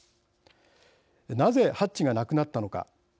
なぜ、ハッチがなくなったのか。